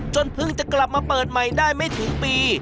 เพิ่งจะกลับมาเปิดใหม่ได้ไม่ถึงปี